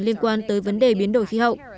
liên quan tới vấn đề biến đổi khí hậu